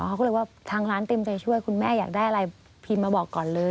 เขาก็เลยว่าทางร้านเต็มใจช่วยคุณแม่อยากได้อะไรพิมพ์มาบอกก่อนเลย